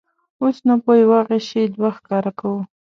اوس نو په یوه غیشي دوه ښکاره کوو.